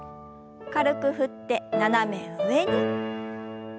軽く振って斜め上に。